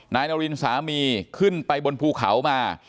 นายนารินสามีขึ้นไปบนภูเขามา